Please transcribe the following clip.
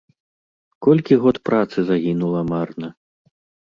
Колькі год працы загінула марна!